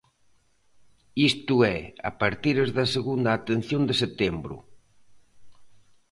Isto é, a partires da segunda atención de setembro.